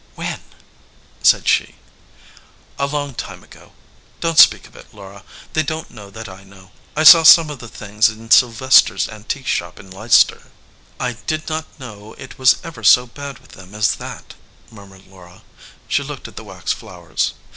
"When?" said she. "A long time ago. Don t speak of it, Laura. They don t know that I know. I saw some of the things in Sylvesters antique shop in Leicester." " I did not know it was ever so bad with them as that," murmured Laura. She looked at the wax flowers.